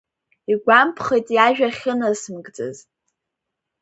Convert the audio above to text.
Игәамԥхеит иажәа ахьынасмыгӡаз.